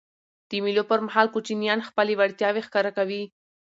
د مېلو پر مهال کوچنيان خپلي وړتیاوي ښکاره کوي.